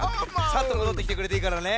サッともどってきてくれていいからね。